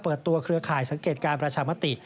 ตัวเครือข่ายสังเกตการประชามติ